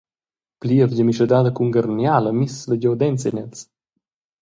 Plievgia mischedada cun garniala misla giuaden sin els.